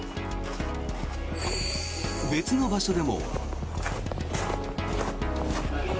別の場所でも。